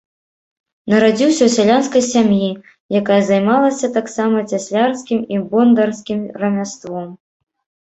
Нарадзіўся ў сялянскай сям'і, якая займалася таксама цяслярскім і бондарскім рамяством.